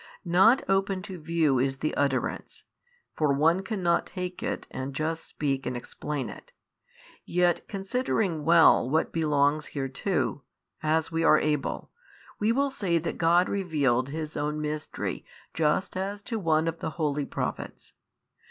Not open to view is the utterance (for one cannot take it and just speak and explain it) yet considering well what belongs hereto (as we are able) we will say that God revealed His own Mystery just as to one of the holy Prophets.